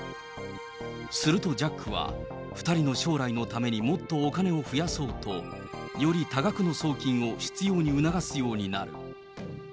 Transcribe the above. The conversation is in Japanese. するとジャックは、２人の将来のためにもっとお金を増やそうと、より多額の送金を執ように促すようになる。